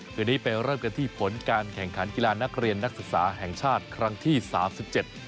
คืนนี้ไปเริ่มกันที่ผลการแข่งขันกีฬานักเรียนนักศึกษาแห่งชาติครั้งที่สามสิบเจ็ด